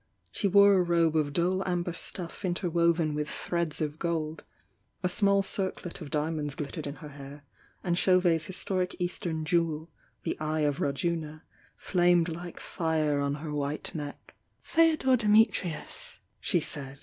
She wore a robe of duU amber stuff inter IZf ""v^ threads of gold, a small circlet o dia monds glittered in her hair, and Chauv 's historic Eastern jewe , the "Eye of Rajuna," flamed mce fire on her white neck. "«"ueu ukc "F^odor Dimitrius," she said.